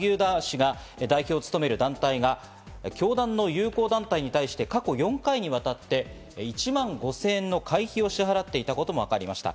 また萩生田氏が代表を務める団体が教団の友好団体に対して過去４回にわたって１万５０００円の会費を支払っていたことも分かりました。